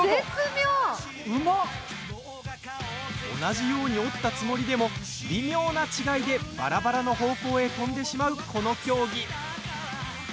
同じように折ったつもりでも微妙な違いでばらばらの方向へ飛んでしまう、この競技。